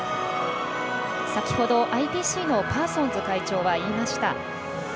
先ほど、ＩＰＣパーソンズ会長は言いました。